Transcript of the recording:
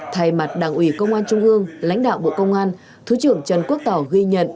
thay mặt đảng ủy công an trung ương lãnh đạo bộ công an thứ trưởng trần quốc tỏ ghi nhận